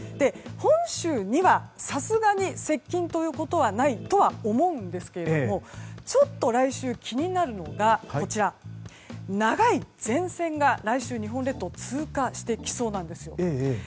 本州にはさすがに接近ということはないとは思うんですが来週、気になるのが長い前線が来週、日本列島を通過してきそうなんですよ。